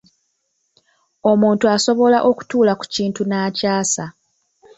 Omuntu asobola okutuula ku kintu n'akyasa.